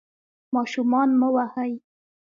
ماشومان مه وهئ.